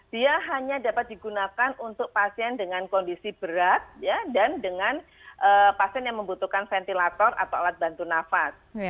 dia hanya dapat digunakan untuk pasien dengan kondisi berat dan dengan pasien yang membutuhkan ventilator atau alat bantu nafas